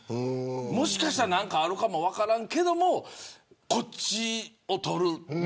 もしかしたら何かあるかも分からないけどこっちを取る。